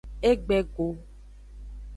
Egbe go.